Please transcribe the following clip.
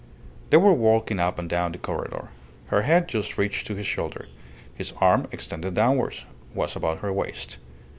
They were walking up and down the corredor. Her head just reached to his shoulder. His arm, extended downwards, was about her waist.